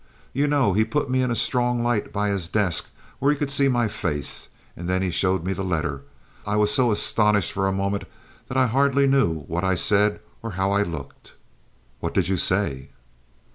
You know, he put me in a strong light by his desk, where he could see my face, and then he showed me the letter. I was so astonished for a moment I hardly know what I said or how I looked." "What did you say?"